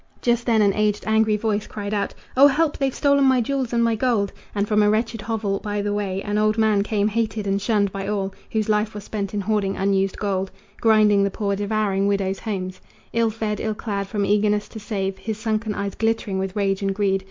Just then an aged, angry voice cried out: "O help! they've stolen my jewels and my gold!" And from a wretched hovel by the way An old man came, hated and shunned by all, Whose life was spent in hoarding unused gold, Grinding the poor, devouring widows' homes; Ill fed, ill clad, from eagerness to save, His sunken eyes glittering with rage and greed.